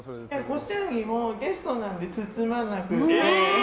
ご祝儀もゲストなんで包まなくて。